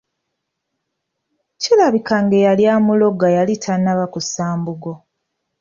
Kirabika ng'eyali amuloga yali tannaba kussa mbugo.